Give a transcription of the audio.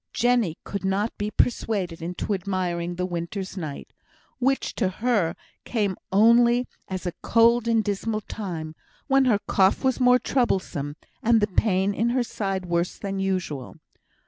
Jenny could not be persuaded into admiring the winter's night, which to her came only as a cold and dismal time, when her cough was more troublesome, and the pain in her side worse than usual.